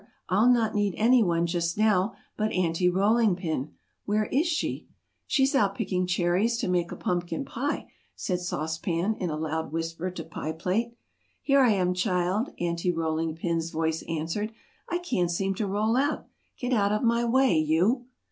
"I'll not need anyone just now but Aunty Rolling Pin. Where is she?" [Illustration: "Everybody, ready!"] "She's out picking cherries to make a pumpkin pie," said Sauce Pan in a loud whisper to Pie Plate. "Here I am, child," Aunty Rolling Pin's voice answered. "I can't seem to roll out. Get out of my way you!"